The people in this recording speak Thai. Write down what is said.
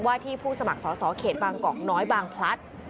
ที่ผู้สมัครสอสอเขตบางกอกน้อยบางพลัด